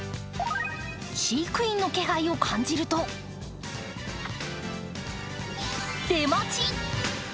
飼育員の気配を感じると出待ち！